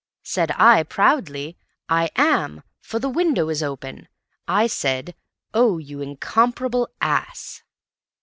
Said I proudly, 'I am. For the window is open,' I said. Oh, you incomparable ass!"